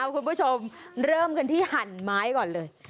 คุณผู้ชมเริ่มกันที่หั่นไม้ก่อนเลย